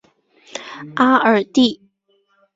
阿尔蒂。